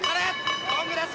ゴングです！